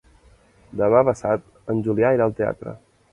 Demà passat en Julià irà al teatre.